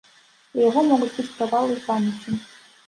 У яго могуць быць правалы ў памяці.